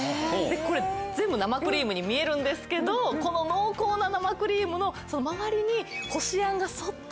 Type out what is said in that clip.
これ全部生クリームに見えるんですけどこの濃厚な生クリームの周りにこしあんがそっと。